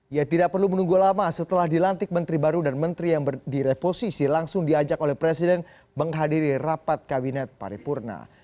ia tidak perlu menunggu lama setelah dilantik menteri baru dan menteri yang direposisi langsung diajak oleh presiden menghadiri rapat kabinet paripurna